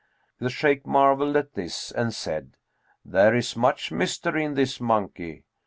The Shaykh marvelled at this and said, 'There is much mystery in this monkey!'